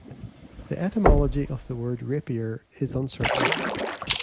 The etymology of the word "rapier" is uncertain.